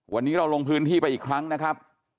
วันนี้เราลงพื้นที่ไปอีกครั้งนะครับ